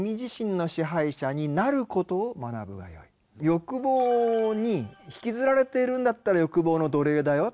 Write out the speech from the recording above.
欲望に引きずられているんだったら欲望の奴隷だよ。